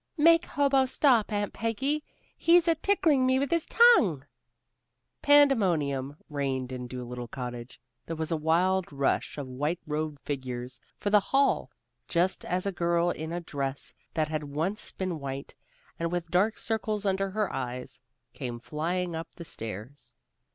"Make Hobo stop, Aunt Peggy. He's a tickling me with his tongue." Pandemonium reigned in Dolittle Cottage. There was a wild rush of white robed figures for the hall, just as a girl in a dress that had once been white, and with dark circles under her eyes, came flying up the stairs.